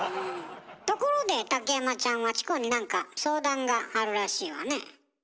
ところで竹山ちゃんはチコに何か相談があるらしいわね。